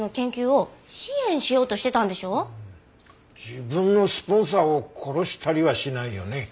自分のスポンサーを殺したりはしないよね。